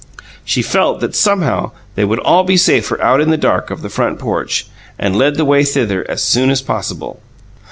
She felt that somehow they would all be safer out in the dark of the front porch, and led the way thither as soon as possible.